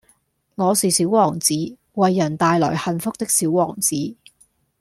我是小王子，為人帶來幸福的小王子